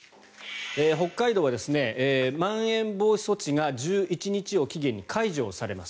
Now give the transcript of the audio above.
北海道はまん延防止措置が１１日を期限に解除されます。